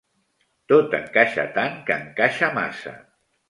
Tot encaixa tant que encaixa massa.